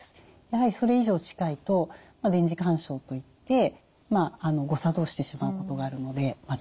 やはりそれ以上近いと電磁干渉といって誤作動してしまうことがあるので注意が必要です。